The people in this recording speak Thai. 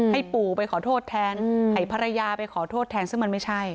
ให้ปู่ไปขอโทษแทนให้ภรรยาไปขอโทษแทนซึ่งมันไม่ใช่